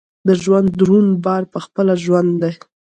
د ژوند دروند بار پخپله ژوند دی.